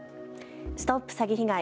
ＳＴＯＰ詐欺被害！